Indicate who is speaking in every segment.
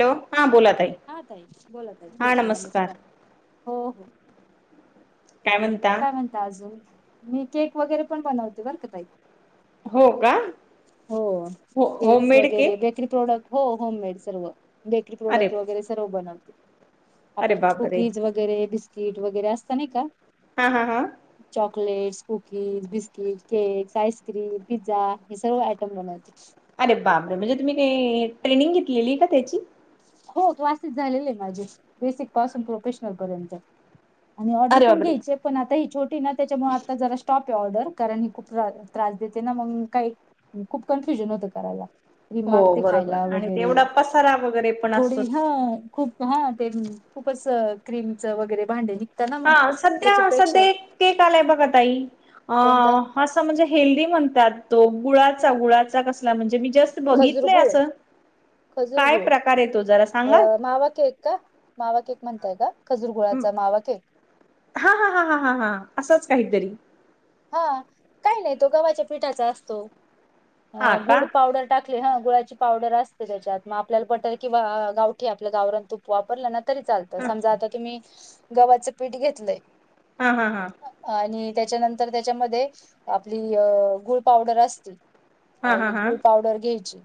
Speaker 1: Hello हा बोला ताई
Speaker 2: हा ताई बोला ताई हा नमस्कार हो हो
Speaker 1: काय म्हणता
Speaker 2: काय म्हणता अजून मी केक वगैरे पण बनवते बर का ताई
Speaker 1: हो का
Speaker 2: हो
Speaker 1: हो होम
Speaker 2: केक्स
Speaker 1: मेड
Speaker 2: वगैरे
Speaker 1: केक
Speaker 2: बेकरी प्रोडक्ट हो होमेड सर्व बेकरी
Speaker 1: अरे
Speaker 2: प्रोडक्ट वगैरे सर्व बनवते
Speaker 1: अरे
Speaker 2: आपले
Speaker 1: बापरे
Speaker 2: कुकीज वगैरे बिस्किट वगैरे असत नाही का
Speaker 1: हा हा हा
Speaker 2: chocolates cookies biscuit cakes ice cream pizza हे सर्व आयटम बनवते
Speaker 1: अरे बापरे म्हणजे तुम्ही ते ट्रेनिंग घेतलेली का त्याची
Speaker 2: हो क्लासेस झालेले आहे माझे बेसिक पासून प्रोफेशनल पर्यंत आणि ऑर्डर
Speaker 1: अरे
Speaker 2: पण
Speaker 1: बापरे
Speaker 2: घ्यायची पण आता ही छोटी ना त्याच्यामुळे आता जरा स्टॉप ऑर्डर कारण हे खूप त्रास देते ना मग काही खूप कन्फ्युजन होत करायला क्रीम
Speaker 1: हो
Speaker 2: मागते
Speaker 1: बरोबर
Speaker 2: खायला
Speaker 1: आणि
Speaker 2: वगैरे
Speaker 1: तेवढा पसरा वगैरे पण
Speaker 2: थोडी
Speaker 1: असतो
Speaker 2: ह खूप हा ते खूपच क्रीमच वगैरे भांडे ना मग
Speaker 1: हा सध्या
Speaker 2: त्याच्यापेक्षा
Speaker 1: सध्या केक आलाय बघा ताई अ
Speaker 2: कोणता
Speaker 1: असं म्हणजे हेल्दी म्हणतात तो गुळाचा गुळाचा कसला म्हणजे मी जस्ट
Speaker 2: खजूर
Speaker 1: बघितलंय
Speaker 2: गुळ
Speaker 1: असं
Speaker 2: खजूर
Speaker 1: काय
Speaker 2: गुळ
Speaker 1: प्रकार आहे तो जरा सांगाल
Speaker 2: अ मावा केक का मावा केक म्हणताय का खजूर गुळाचा मावा केक
Speaker 1: हा हा ह ह हा हा असंच काहीतरी
Speaker 2: हा काही नाही तो गव्हाच्या पिठाचा असतो
Speaker 1: हा का
Speaker 2: गुड पावडर टाकले ह गुळाची पावडर असते त्याच्यात मग आपल्याला बटर किंवा गावठी आपल्या गावरान तुप वापरलं ना तरी चालतं
Speaker 1: हा
Speaker 2: समजा आता तुम्ही गव्हाचं पीठ घेतलंय
Speaker 1: हा हा हा
Speaker 2: आणि त्याच्यानंतर त्याच्यामध्ये आपली गुळ पावडर असतील
Speaker 1: हा
Speaker 2: अ
Speaker 1: हा हा
Speaker 2: गुळ पावडर घ्यायची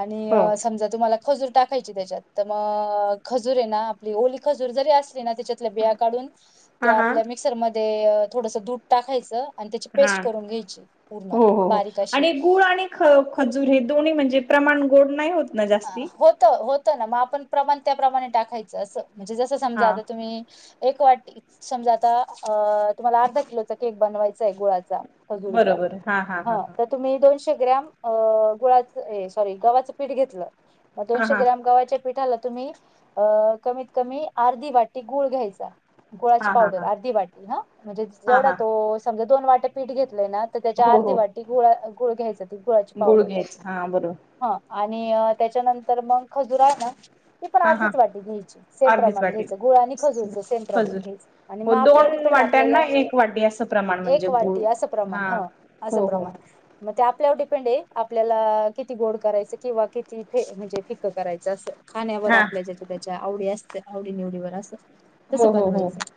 Speaker 2: आणि
Speaker 1: हो.
Speaker 2: समजा तुम्हाला खजूर टाकायची त्याच्यात तर मग खजूर आहे ना आपली ओली खजूर जरी असली ना त्याच्यात त्यातल्या बिया काढून
Speaker 1: हा
Speaker 2: त्या
Speaker 1: हा
Speaker 2: आपल्या मिक्सरमध्ये थोडस दूध टाकायचं आणि त्याची
Speaker 1: हा.
Speaker 2: पेस्ट करून घ्यायची पूर्ण
Speaker 1: हो हो हो.
Speaker 2: बारीक अशी
Speaker 1: आणि गुळ आणि खजूर हे दोन्ही म्हणजे प्रमाण गोड नाही होत ना जास्ती.
Speaker 2: होत होतं ना मग आपण प्रमाण त्याप्रमाणे टाकायचं असं म्हणजे जस समजा
Speaker 1: हा
Speaker 2: आता तुम्ही एक वाटी समजा आता अ तुम्हाला अर्धा किलोचा केक बनवायचा आहे गुळाच जा खजुरचा
Speaker 1: बरोबर हा हा हा
Speaker 2: ह
Speaker 1: हा
Speaker 2: तत तुम्ही दोनशे ग्रॅम गुळाच सॉरी गव्हाचं पीठ घेतलं
Speaker 1: हा
Speaker 2: दोनशे
Speaker 1: हा हा
Speaker 2: ग्राम गव्हाच्या पिठाला तुम्ही अ कमीत कमी अर्धी वाटी गुळ घ्यायचा गुळाची
Speaker 1: हा
Speaker 2: पावडर
Speaker 1: हा
Speaker 2: अर्धी वाटी ह म्हणजे
Speaker 1: हा
Speaker 2: जेवढा
Speaker 1: हा
Speaker 2: तो समजा दोन वाट्या पीठ घेतलेय ना त्याच्या
Speaker 1: हो
Speaker 2: अर्धी
Speaker 1: हो
Speaker 2: वाटी गुळा गुळ घ्यायचा गुळाची
Speaker 1: गुळ
Speaker 2: पावडर
Speaker 1: घ्यायच हा बरोबर
Speaker 2: हा आणि त्याच्यानंतर मग खजुर ना ती पण
Speaker 1: हा हा
Speaker 2: अर्धीच वाटी घ्यायची सेम
Speaker 1: अर्धीच
Speaker 2: प्रमाण
Speaker 1: वाटी
Speaker 2: घ्यायच गुळा आणि खजूरचं सेम प्रमाण
Speaker 1: खजूर
Speaker 2: घ्यायचं आणि
Speaker 1: हो
Speaker 2: मग आपल्यावर
Speaker 1: दोन
Speaker 2: डिपेंड आहे
Speaker 1: वाट्यांना
Speaker 2: आपल्याला
Speaker 1: एक वाटी असं प्रमाण म्हणजे
Speaker 2: एक
Speaker 1: गुळ
Speaker 2: वाटी असं प्रमाण
Speaker 1: हा
Speaker 2: ह असं
Speaker 1: हो हो
Speaker 2: प्रमाण मग ते आपल्यावर डिपेंड आहे आपल्याला किती गोड करायचं किंवा किती फे म्हणजे फिक करायचं असं खाण्यावर
Speaker 1: हा
Speaker 2: आपल्या ज्याच्या त्याच्या आवडी असते आवडी निवडीवर असं तस
Speaker 1: हो हो हो
Speaker 2: बनवायचं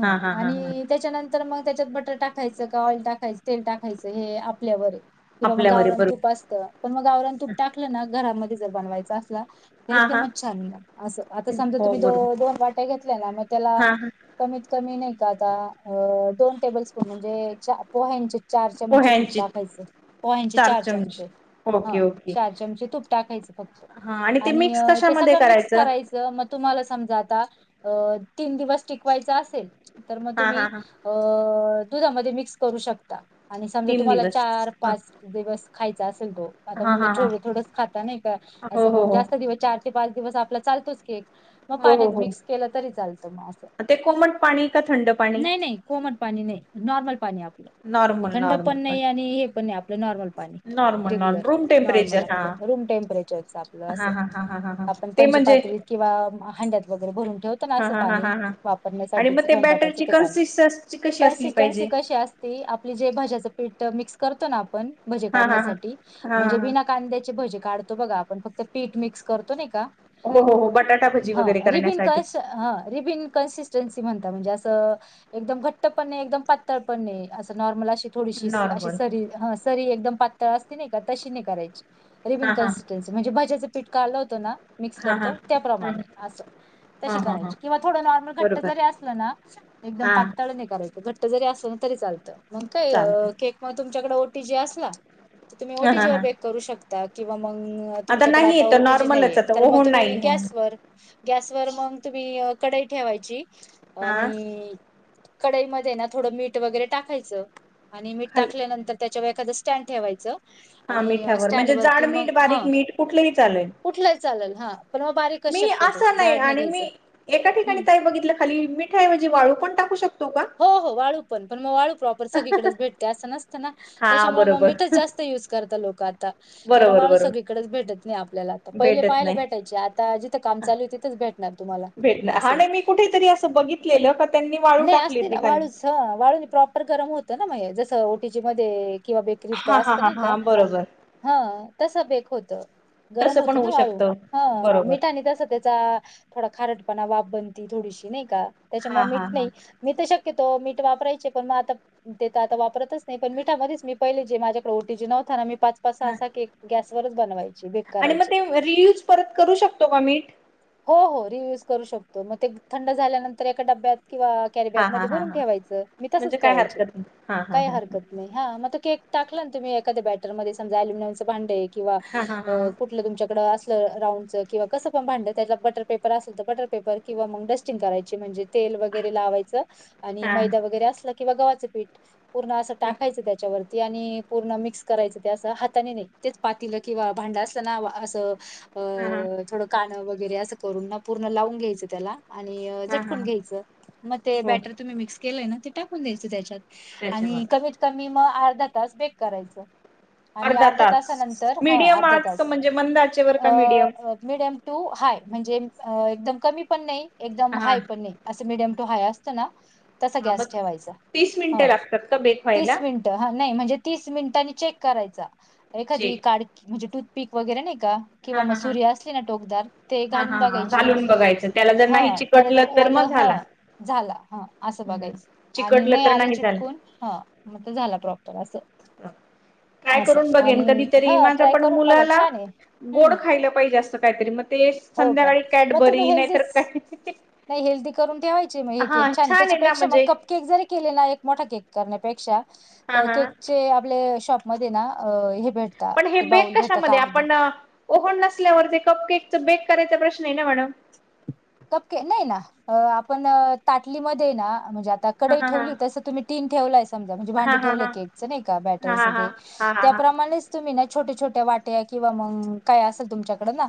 Speaker 2: ह
Speaker 1: हा हा हा हा
Speaker 2: आणि त्याच्यानंतर तर मग त्याच्यात बटर टाकायचं का ऑइल टाकायचं तेल टाकायचं हे आपल्यावर आहे किंवा मग
Speaker 1: आपल्यावर
Speaker 2: गाववरण
Speaker 1: बरोबर
Speaker 2: तूप असतं पण मग गाववरण तूप टाकलं ना घरामध्ये जर बनवायच असला ते
Speaker 1: हा हा
Speaker 2: एकदमच छान मग असं आता समजा
Speaker 1: हो
Speaker 2: तुम्ही दो
Speaker 1: बरोबर
Speaker 2: दोन वाट्या घेतल्या ना म त्याला
Speaker 1: हा हा
Speaker 2: कमीत कमी नाही का आता अ दोन टेबल स्पून म्हणजे चहा पोह्यांचे चार चमचे तूप
Speaker 1: पोह्यांची
Speaker 2: टाकायचे पोह्यांचे चार चमचे हा चार चमचे तुप टाकायच फक्त
Speaker 1: हा ते
Speaker 2: आणि
Speaker 1: मिक्स
Speaker 2: ते
Speaker 1: कशामध्ये
Speaker 2: सगळं मिक्स करायचं मग तुम्हाला समजा आता तीन दिवस टिकवायचा असेल तर मग
Speaker 1: हा
Speaker 2: तुम्ही
Speaker 1: हा हा
Speaker 2: अ दुधामध्ये मिक्स करू शकता आणि समजा
Speaker 1: तीन
Speaker 2: तुम्हाला
Speaker 1: दिवस
Speaker 2: चार पाच दिवस खायचा असेल तो आता
Speaker 1: हा हा
Speaker 2: मुलं
Speaker 1: हा हा
Speaker 2: छोड थोडच खाता नाही का
Speaker 1: हो
Speaker 2: असं
Speaker 1: हो
Speaker 2: मग
Speaker 1: हो
Speaker 2: जास्त दिवस चार पाच दिवस आपला चालतोच केक मग
Speaker 1: हो हो
Speaker 2: पाण्यात
Speaker 1: हो
Speaker 2: मिक्स केलं तरी चालतं मग असं
Speaker 1: ते कोमट पाणी का थंड पाणी
Speaker 2: नाही नाही कोमट पाणी नाही नॉर्मल पाणी आपलं
Speaker 1: नॉर्मल
Speaker 2: थंड पण
Speaker 1: नॉर्मल
Speaker 2: नाही
Speaker 1: पाणी
Speaker 2: आणि हे पण नाही आपलं नॉर्मल पाणी
Speaker 1: normal normal
Speaker 2: regular
Speaker 1: room
Speaker 2: normal
Speaker 1: temperature
Speaker 2: room temperature च आपलं अस
Speaker 1: हा हा हा हा
Speaker 2: आपण
Speaker 1: ते म्हणजे
Speaker 2: पंचपात्री किंवा हांड्यात वगैरे भरून ठेवत पण
Speaker 1: हा
Speaker 2: अस
Speaker 1: हा हा
Speaker 2: पाणी
Speaker 1: हा हा आणि
Speaker 2: वापरण्यासाठी
Speaker 1: मग ते
Speaker 2: स्वयंपाकच
Speaker 1: बॅटरची
Speaker 2: ते पाणी
Speaker 1: कन्सिस्टन्सी कशी असली पाहिजे
Speaker 2: कन्सिस्टन्सी कशी अस ते आपले जे भज्याच पीठ मिक्स करतो ना आपण भजे
Speaker 1: हा हा हा
Speaker 2: काढण्यासाठी
Speaker 1: हा
Speaker 2: म्हणजे बिना कांद्याची भजी काढतो बघा आपण फक्त पीठ मिक्स करतो नाही का
Speaker 1: हो हो हो बटाटा भजी
Speaker 2: हा
Speaker 1: वगैरे
Speaker 2: रिबीन
Speaker 1: करण्यासाठी
Speaker 2: कस ह रिबीन कन्सिस चॅनसी म्हणतात म्हणजे अस एकदम घट्ट पण नाही एकदम पातळ पण नाही अस नॉर्मल असे थोडीशी अशी
Speaker 1: नॉर्मल
Speaker 2: सरी ह सरी एकदम पातळ असते नाही का तशी नाही करायची रिबिन
Speaker 1: हा हा
Speaker 2: कन्सिस्टन्सी म्हणजे भज्याचं पीठ कालवतं ना मिक्स
Speaker 1: हा हा
Speaker 2: करतो
Speaker 1: हा
Speaker 2: त्याप्रमाणे असं तशी
Speaker 1: हा हा हा
Speaker 2: करायची किंवा थोडं नॉर्मल घट्ट
Speaker 1: बरोबर
Speaker 2: जरी असलं ना एकदम
Speaker 1: हा
Speaker 2: पातळने करायचं घट जरी अस ना तरी चालतं मग काय
Speaker 1: चालत
Speaker 2: केक मग तुमच्याकडे ओटी जी असला तुम्ही
Speaker 1: हा हा
Speaker 2: ओटीजी वर
Speaker 1: हा
Speaker 2: बेक करू शकता ता किंवा मग तुमच्याकडे
Speaker 1: नाही
Speaker 2: आता
Speaker 1: येत
Speaker 2: ओटीजी
Speaker 1: नॉर्मलच
Speaker 2: नाहीये
Speaker 1: आता
Speaker 2: तर मग
Speaker 1: ओहून
Speaker 2: तुम्ही
Speaker 1: नाही घ्या
Speaker 2: गॅसवर गॅसवर मग तुम्ही कडाई ठेवायची
Speaker 1: हा
Speaker 2: आणि कढाईमध्ये ना थोडं मीठ वगैरे टाकायचं. आणि मीठ
Speaker 1: खाली
Speaker 2: टाकल्यानंतर त्याच्या. व एखादं स्टँड ठेवायचं.
Speaker 1: हा
Speaker 2: आणि
Speaker 1: मिठावर
Speaker 2: स्टँड
Speaker 1: म्हणजे जाड मीठ बारीक मीठ कुटले ही चालेल,
Speaker 2: कुठलं. चालेल हा पण मग बारीकच
Speaker 1: मी
Speaker 2: शक्यतो
Speaker 1: असा नाही
Speaker 2: जाड
Speaker 1: आणि
Speaker 2: घ्यायचं
Speaker 1: मी एका ठिकाणी
Speaker 2: हम्म
Speaker 1: ताई बघितलं खाली मिठाऐवजी वाळू पण टाकू शको
Speaker 2: हो हो वाळू पण पण मग वाळू प्रॉपर सगळीकडेच भेटते असं नसतं ना
Speaker 1: हा
Speaker 2: त्याच्यामुळे मग
Speaker 1: बरोबर
Speaker 2: मीठच जास्त यूज करता लोक आता कारण
Speaker 1: बरोबर
Speaker 2: वाळू
Speaker 1: बरोबर
Speaker 2: सगळीकडेच भेटत नाही आपल्याला आता पहिले
Speaker 1: भेटत
Speaker 2: पाहाला
Speaker 1: नाही
Speaker 2: भेटयचे आता जिथं काम चालू तिथच भेट ना तुम्हाला
Speaker 1: भेटणार हा
Speaker 2: असंय
Speaker 1: नाही मी कुठेतरी असं बघितलेलं. का त्यांनी वाळू टाकली ती खाली
Speaker 2: वाळून प्रॉपर गरम होतं. नाे जसं ओटीजी मध्ये किंवा बे ध
Speaker 1: हा हा
Speaker 2: असत
Speaker 1: हा
Speaker 2: नाही. का
Speaker 1: हा बरोबर
Speaker 2: हा तस बेक होत. गरम
Speaker 1: तसं पण
Speaker 2: होती
Speaker 1: होऊ
Speaker 2: ना वाळू
Speaker 1: शकत
Speaker 2: ह
Speaker 1: बरोबर
Speaker 2: मिठा आणि [unintelligible] तस त्याचा थोडा खारटपणा वाब बनती थोडीशी. नाही का
Speaker 1: हा
Speaker 2: त्याच्यामुळे मीठ
Speaker 1: हा हा
Speaker 2: नाही. मी तर शक्यतो मीठ वापरायचे. पण मग आता ते तर आता वापतच नाही. पण मिठामध्येच मी पहिले जे माझ्याकडे ओटी ज नवता ना मी पाच
Speaker 1: हा
Speaker 2: असा केक गॅसवररच बनवायची केक
Speaker 1: आणि मग
Speaker 2: करायची.
Speaker 1: ते रियूज परत करू शकतो का मीठ?
Speaker 2: हो हो रियूज करू शकतो. मग ते थंड झाल्यानंतर एका डब्यात किंवा कॅरी बॅग
Speaker 1: हा हा
Speaker 2: मध्ये
Speaker 1: हा
Speaker 2: भरून
Speaker 1: हा.
Speaker 2: ठेवायचं मी तसच
Speaker 1: म्हणजे काय
Speaker 2: करायचे.
Speaker 1: हरकत नाही. हा हा
Speaker 2: काय
Speaker 1: हा हा.
Speaker 2: हरकत नाही. हा मग केक टाकला ना तुम् एखाद्या बॅटरमध्ये समजा अल्युमिनमचे भांडे किंवा
Speaker 1: हा हा हा हा
Speaker 2: कुठ तुमच्याकडं असलं राऊंडच किंवा कसं पण भांड त्याला बटर पेपर असेल तर बटरपेपर. किंवा मग डस्टिंग करायची म्हणजेतेल वगैरे लावायच आणि
Speaker 1: हा
Speaker 2: मैदा वगैरे असला किंवा गव्हाचं पीठ पूर्ण असं
Speaker 1: हा
Speaker 2: टाकायचं त्याच्यावरती आणि पूर्ण मिक्स करायचं ते असं हाताने नाही तेच पातीलं किंवा भांड असलं ना अस
Speaker 1: हा हा.
Speaker 2: थोडं कानं वगैरे असं करून ना पूर्ण लावून घ्यायचं त्याला आणि
Speaker 1: हा हा
Speaker 2: झटकून घ्यायचं. मग ते
Speaker 1: हो
Speaker 2: बॅटर तुम्ही मिक्स केलंय ना ते टाकून द्यायच त्याच्यात आणि
Speaker 1: त्याच्यामुळे.
Speaker 2: कमी कमी मग अर्धा तास बेक करायचं. आणि
Speaker 1: अर्धा
Speaker 2: अर्ध्या
Speaker 1: तास
Speaker 2: तासानंतर हा
Speaker 1: मीडियम
Speaker 2: अर्धा
Speaker 1: आच
Speaker 2: तास.
Speaker 1: म्हणजे मंद आचेवर
Speaker 2: अ
Speaker 1: का मीडियम?
Speaker 2: अ मिडियम टू हाय म्हणजे एकदम कमी पण नाही एकदम
Speaker 1: हा
Speaker 2: हाय पण नाही. असं मिडियम टू हाय असता ना तसा
Speaker 1: हा
Speaker 2: गॅस
Speaker 1: मग
Speaker 2: ठेव्याचा
Speaker 1: तीस मिनिटे
Speaker 2: होय
Speaker 1: लागतात का बेक
Speaker 2: तीस
Speaker 1: व्हायला?
Speaker 2: मिनिटं. टा नाही म्हणजे तीस मिनिटानं चेक करायचा एखादी
Speaker 1: चेक
Speaker 2: कडकी म्हणजे टूथ पीक वगैरे नाही का. किंवा
Speaker 1: हा
Speaker 2: मग
Speaker 1: हा हा
Speaker 2: सूरी असली ना टोकदार ते
Speaker 1: हा
Speaker 2: घालून
Speaker 1: हा हा
Speaker 2: बघायची
Speaker 1: घालून बघायचं त्याला जर
Speaker 2: हा
Speaker 1: नाही
Speaker 2: तर
Speaker 1: चिकटलं
Speaker 2: ओलं
Speaker 1: मग
Speaker 2: हा.
Speaker 1: झाला.
Speaker 2: झाला हा असं
Speaker 1: हम्म.
Speaker 2: बघायचं आणि नाही
Speaker 1: चिकटलं तर
Speaker 2: आलं
Speaker 1: झालं.
Speaker 2: चिटकून. हा मग झाला प्रॉपर असं.
Speaker 1: काय
Speaker 2: असं
Speaker 1: करून बघेन
Speaker 2: आणि
Speaker 1: कधीतरी
Speaker 2: हा
Speaker 1: माझ्या
Speaker 2: ट्राय
Speaker 1: पण
Speaker 2: करून बघा
Speaker 1: मुलाला.
Speaker 2: छान आहे हम्म
Speaker 1: गोड खायला पाहिजे असं काहीतरी मग ते
Speaker 2: हो का
Speaker 1: संध्याकाळी
Speaker 2: मग तुम्ही
Speaker 1: कॅडबरी नाहीतर
Speaker 2: हेल्दीच
Speaker 1: काय
Speaker 2: नाही हेल्दी करून ठेवायची मग हे
Speaker 1: हा
Speaker 2: केक छान आहे
Speaker 1: ना
Speaker 2: त्याच्यापेक्षा मग
Speaker 1: म्हणजे
Speaker 2: कप केक जरी केले ना एक मोठा केक करण्यापेक्षा
Speaker 1: हा हा
Speaker 2: केकचे आपले शॉप मध्ये ना हे भेट
Speaker 1: पण हे बेक कशामध्ये आपण ओहन नसल्यावरती कपकेक च बेक करायचा प्रश्न आहे ना मॅडम.
Speaker 2: कपकेक नाही ना आपण ताटलीमध्ये ना म्हणजे आता
Speaker 1: हा
Speaker 2: कडेई
Speaker 1: हा
Speaker 2: ठेवली तसं तुम्ही. तीन ठेवलाय समजा म्हणजे
Speaker 1: हा
Speaker 2: भांडं
Speaker 1: हा
Speaker 2: ठेवलंय
Speaker 1: हा
Speaker 2: क एकच नाही का बॅटर
Speaker 1: हा हा हा हा हा हा
Speaker 2: त्याप्रमाणेच. तुम्ही ना छोट्या छोट्या वाट्या किंवा मग काय असेल तुमच्याकडं ना.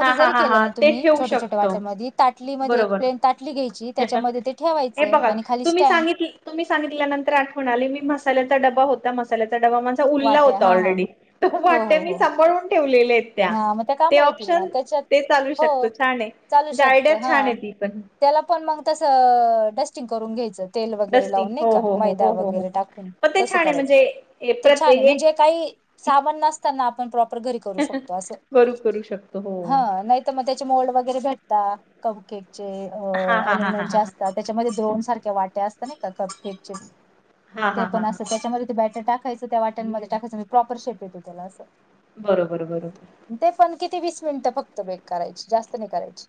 Speaker 1: हा हा
Speaker 2: जर
Speaker 1: हा
Speaker 2: केलं
Speaker 1: हा
Speaker 2: ना
Speaker 1: ते
Speaker 2: तुमही
Speaker 1: ठेवू
Speaker 2: छोटे छोटे वाट
Speaker 1: शकतो
Speaker 2: आधी ताटलीमध्ये एक प्लेन
Speaker 1: बरोबर
Speaker 2: ताटली घ्यायची त्याच्यामध्ये ते
Speaker 1: हे
Speaker 2: ठेवायचं
Speaker 1: बघा
Speaker 2: आणि खाली
Speaker 1: तुम्ही
Speaker 2: स्टँड.
Speaker 1: सांगितल तुम्ही सांगितल्यानंतर आठवण म्हणाले मी मसाल्याचा डबा होता मसाल्याचाडबा. उलला
Speaker 2: वाट्या
Speaker 1: होता
Speaker 2: हा हा
Speaker 1: ऑलरेडी तट
Speaker 2: हो हो
Speaker 1: मी
Speaker 2: हो
Speaker 1: साांभाळून ठेवलेले आहेत.
Speaker 2: हा मग त्या
Speaker 1: ते
Speaker 2: काम येतील ना
Speaker 1: ऑप्शन
Speaker 2: त्याच्यात
Speaker 1: ते चालू शकतो
Speaker 2: हो
Speaker 1: छान आहे
Speaker 2: चालू
Speaker 1: म्हणजे
Speaker 2: शकत
Speaker 1: आयडिया छान
Speaker 2: हा.
Speaker 1: आहे ती पण
Speaker 2: त्याला पण मग तसं टेस्टिंग करून घ्यायचं. तेल वगैरे
Speaker 1: डस्टिंग
Speaker 2: लावून नाही
Speaker 1: हो
Speaker 2: का
Speaker 1: हो हो
Speaker 2: मैदा
Speaker 1: हो हो हो
Speaker 2: वगैरे टाकून
Speaker 1: पण ते
Speaker 2: तसं
Speaker 1: छान आहे म्हणजे
Speaker 2: करायचं
Speaker 1: ए
Speaker 2: ते छान आहे म्हणजे
Speaker 1: प्रत्येक
Speaker 2: काही. सा नताना आपण प्रॉपर घरी करू शकतो अस
Speaker 1: करू करू शकतो हो
Speaker 2: ह नाही तर मग त्याचे मोल्ड वगैरे भेटता केक चे
Speaker 1: हा हा हा हा
Speaker 2: अल्युमिनियम चे
Speaker 1: हा हा
Speaker 2: असतात. त्याच्यामध्येद्रोन सारख्या वाट्या असतात ना का कथेटचे
Speaker 1: हा
Speaker 2: ते
Speaker 1: हा हा
Speaker 2: पण
Speaker 1: हा
Speaker 2: असत त्याच्यामध्ये ते बॅट टाक. त्या वाट्यांमध्ये टाकायचं मी प्रॉपर शेप देतो त्याला असं.
Speaker 1: बरोबर बर.
Speaker 2: ते पण किती वीस मिनिटं फक्त बेग करायची जास्त नाही करायची.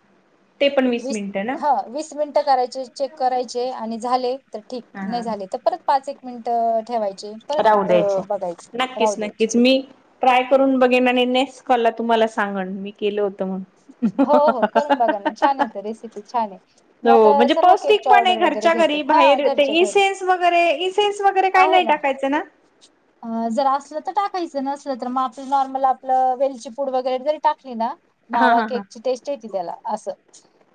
Speaker 1: ते पण
Speaker 2: वीस
Speaker 1: मिनिटं ना
Speaker 2: हा वीस मिनट ट करायचे चेक करायचे आणि झाले तर ठीक
Speaker 1: हा
Speaker 2: नाही
Speaker 1: हा
Speaker 2: झाले तर परत. पाच एक मिनिट ठेवायची.
Speaker 1: राहू द्यायच नक्कीच नक्कीच मी ट्राय करून बघेन आणि नेक्स्ट कॉलला तुम्हाला सांगन मी केलं होतं म्हण
Speaker 2: हो हो करून बघा ना छान आहेेत रेसिपी छान आहे मी
Speaker 1: हो
Speaker 2: आता
Speaker 1: म्हणजे
Speaker 2: सर्व केक
Speaker 1: पौष्टिक पण आहे घरच्या घरी बाहेर ते इ सेन्स वगैरे इ सेन्स वगैरे काही नाही टाकायचं ना?
Speaker 2: [inaudible] अ जर असलं तर टाकायचं नसलं तर मग आपलं नॉर्मल आपलं वेलची पूड वगैरे जरी टाकली ना
Speaker 1: हा
Speaker 2: मावा
Speaker 1: हा हा
Speaker 2: केक ची टेस्ट येेते त्याला असं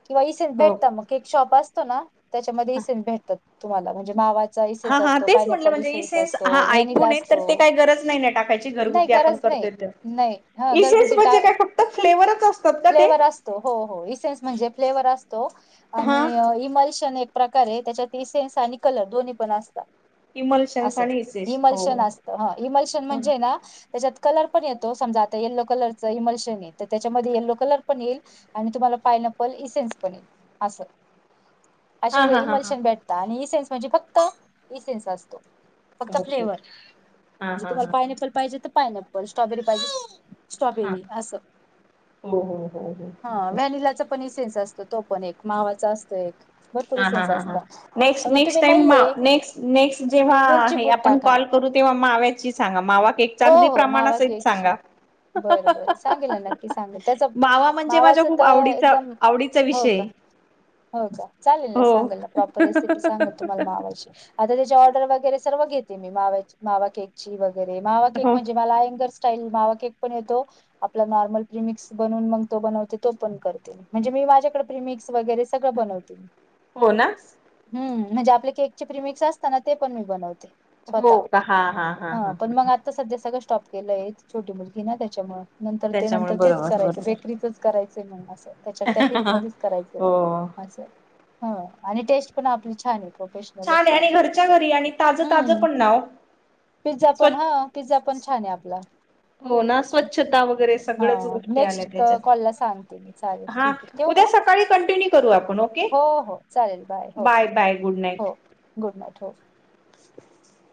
Speaker 2: किंवा इसेन्स
Speaker 1: हो.
Speaker 2: भेटत मग. केक शॉप असतो ना त्याच्यामध्ये इसेन्स भेटतात तुम्हाला म्हणजे मावा चा
Speaker 1: हा
Speaker 2: इसेन्स
Speaker 1: हा
Speaker 2: असतो
Speaker 1: तेच म्हटलं
Speaker 2: पायनपल
Speaker 1: म्हणजे
Speaker 2: इसेन्स असतो
Speaker 1: हा
Speaker 2: व्हॅनिला
Speaker 1: ऐकून आहे तर
Speaker 2: असतो
Speaker 1: ते काही गरज नाही ना टाकायची
Speaker 2: नाही
Speaker 1: घरगुती आपण
Speaker 2: गरज नाही. नाही हा घरगुती टा
Speaker 1: ते काय फक्त फ्लेवरच अस
Speaker 2: फ्लेवर असतो हो हो इसेनस म्हणजे फ्लेवर असतो
Speaker 1: हा.
Speaker 2: आणि इमल्शन एक प्रकार आहे त्याच्यात इसेन्स आणि कलर दोन्ही पण असतात.
Speaker 1: इमल्शन्स
Speaker 2: असं
Speaker 1: आणि इसेस हो
Speaker 2: इमल्शन
Speaker 1: हो.
Speaker 2: असत ह इमल्शन म्हणजे ना त्याच्यात कलर पण येतो समजा आता येल्लो कलरच इमल्शन आहे तर त्याच्यामध्ये यलो कलर पण येईल आणि तुम्हाला पायनपल इसेन्स पण येईल असं. अशे
Speaker 1: हा
Speaker 2: काई
Speaker 1: हा हा हा
Speaker 2: इमलशन भेटत आणि इसेन्स म्हणजे फक्त इसेन्स असतो. फक्त
Speaker 1: ओके
Speaker 2: फ्लेवर
Speaker 1: हा
Speaker 2: म्हणजे
Speaker 1: हा
Speaker 2: तुम्हाला
Speaker 1: हा
Speaker 2: पायनपल पाहिजे तर पायनॅप्पल स्ट्रॉबेरी पाहिजे स्ट्रॉबेरी अस.
Speaker 1: हु हूं
Speaker 2: हा व्हॅनिलाचा पण इ सेन्स असतो तो पण एक मावाचा असतो एक. भरपूर
Speaker 1: हा ह
Speaker 2: इसेन्स
Speaker 1: ह ह
Speaker 2: असता
Speaker 1: नेक्स्ट
Speaker 2: पण मग
Speaker 1: नेक्स्ट
Speaker 2: तुम्ही
Speaker 1: टाइम मा
Speaker 2: नाहीये
Speaker 1: नेक् नेक्स्ट जेव्हा.
Speaker 2: तुम्ही वेलची
Speaker 1: आहे
Speaker 2: पूड
Speaker 1: आपण
Speaker 2: टाका
Speaker 1: कॉल करू तेव्हा माव्याची सांगा मावा केक च्या
Speaker 2: हो
Speaker 1: अगदी
Speaker 2: हो मावा
Speaker 1: प्रमाणासहीत
Speaker 2: केकची
Speaker 1: सांगा.
Speaker 2: बरं बर सांगेल नक्की सांगेल त्याच
Speaker 1: मावा म्हणजे माझ्या
Speaker 2: मावाचं
Speaker 1: खूप
Speaker 2: तर
Speaker 1: आवडीचा
Speaker 2: एकदम
Speaker 1: आवडीचा
Speaker 2: हो
Speaker 1: विषय
Speaker 2: का. हो का चालेल ना
Speaker 1: हो
Speaker 2: सांगल ना प्रॉपर रेसिपी सांगल. तुम्हाला मावाची आता त्याची ऑर्डर वगैरे सर्व घेते मी मावाची मावा केक ची वगैरे मावा केक
Speaker 1: हो
Speaker 2: म्हणजे मला अंगर्स स्टाईल मावा केकपण येतो आपल नॉर्मल प्रिमिक्स बनवून मग तो बनवते तो पण करते मी म्हणजे मी माझ्याकडे प्रिमिक्स वगैरे सगळं बनवते मी
Speaker 1: हो ना?
Speaker 2: हम्म म्हणजे आपले केकचे प्रिमिक्स असतात ना ते पण मी बनवते.
Speaker 1: हो का हा हा हा हा ह.
Speaker 2: ता सध्या सगळं स्टॉप केलंय छोटी मुलगी ना त्याच्यामुळे नंतर ते
Speaker 1: त्याच्यामुळे
Speaker 2: नंतर तेच
Speaker 1: बरोबर
Speaker 2: करायचं बे -
Speaker 1: बरोबर
Speaker 2: - असय करायचाय मग अस त्याच्यात त्या फिल्ड मध्ये करायचंय
Speaker 1: हो
Speaker 2: म अस. ह आणि टेस्ट पण आपली छान आहे का.
Speaker 1: छान
Speaker 2: फेशनलच
Speaker 1: आहे
Speaker 2: हाय
Speaker 1: आणि
Speaker 2: आप
Speaker 1: घरच्या
Speaker 2: असं
Speaker 1: घरी आणि ताजं ताजं
Speaker 2: हम्म
Speaker 1: पण नाव
Speaker 2: पि्झा पण
Speaker 1: स्वच्छ
Speaker 2: हो - - पिझ्झा पण छान आहे आपला.
Speaker 1: हो ना स्वच्छता वगैरे
Speaker 2: हा
Speaker 1: सगळच गोष्टी आल्या -
Speaker 2: नेक्स्ट कॉलला सांगते मी चालेल
Speaker 1: त्याच्यात हा
Speaker 2: ठीक आहे ठेव
Speaker 1: उद्या
Speaker 2: मग
Speaker 1: सकाळी कंटिन्यू करू आपण ओके.
Speaker 2: हो हो चालेल हो
Speaker 1: बाय बाय गुड
Speaker 2: हो
Speaker 1: नाईट.
Speaker 2: गुड नाईट हो.
Speaker 1: [inaudible]